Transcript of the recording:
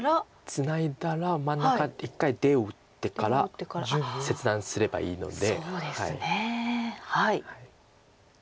ツナいだら真ん中一回出を打ってから切断すればいいので。